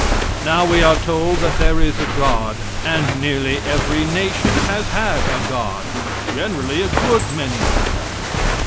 Now we are told that there is a god; and nearly every nation has had a god; generally a good many of them.